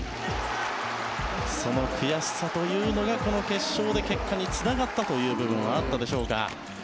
その悔しさというのがこの決勝で結果につながったという部分はあったでしょうか。